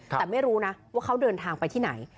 แต่ไม่รู้นะว่าเขาเดินทางไปที่ไหน